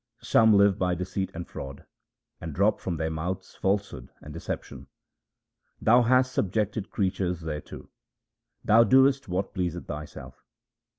Some live by deceit and fraud, and drop from their mouths falsehood and deception. Thou hast subjected creatures thereto ; Thou doest what pleaseth Thyself.